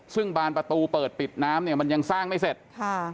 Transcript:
ซึ่งบานประตูเปิดปิดน้ำเนี่ยมันยังสร้างไม่เสร็จค่ะ